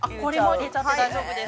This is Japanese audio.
◆入れちゃって大丈夫です。